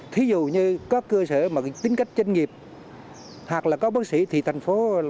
thí dụ như các cơ sở mà tính cách trên nghiệp hoặc là có bác sĩ thì thành phố là cái gì đó